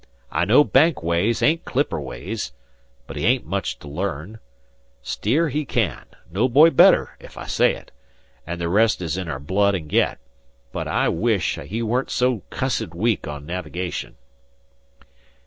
I know Bank ways ain't clipper ways, but he hain't much to learn. Steer he can no boy better, if I say it an' the rest's in our blood an' get; but I could wish he warn't so cussed weak on navigation."